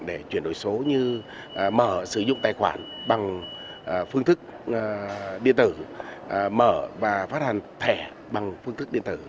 để chuyển đổi số như mở sử dụng tài khoản bằng phương thức điện tử mở và phát hành thẻ bằng phương thức điện tử